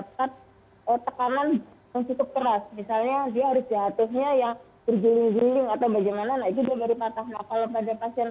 padahal dia cuma jatuh kepleset gitu aja dia sudah bisa terjadi patah tulang